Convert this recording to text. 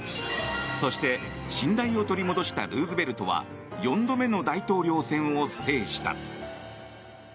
そして、信頼を取り戻したルーズベルトは４度目の大統領選を制した。